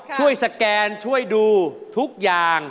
สแกนช่วยดูทุกอย่าง